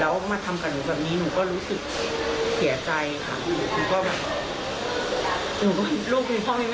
แล้วมาทำกับหนูแบบนี้หนูก็รู้สึกเสียใจค่ะ